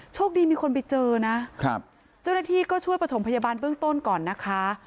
มีคนไปเจอนะครับเจ้าหน้าที่ก็ช่วยประถมพยาบาลเบื้องต้นก่อนนะคะ